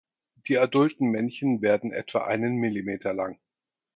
Die adulten Männchen werden etwa einen Millimeter lang.